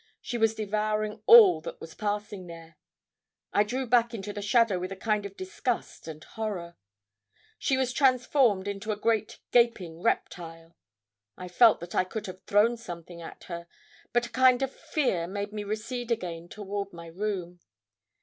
She was devouring all that was passing there. I drew back into the shadow with a kind of disgust and horror. She was transformed into a great gaping reptile. I felt that I could have thrown something at her; but a kind of fear made me recede again toward my room.